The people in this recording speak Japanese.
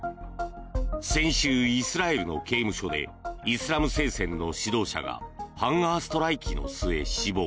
先週、イスラエルの刑務所でイスラム聖戦の指導者がハンガーストライキの末、死亡。